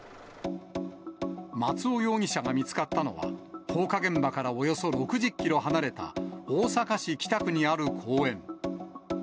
松尾容疑者が見つかったのは、放火現場からおよそ６０キロ離れた大阪市北区にある公園。